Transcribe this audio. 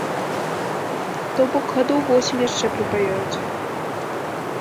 То бок гадоў восем яшчэ прыпаяюць.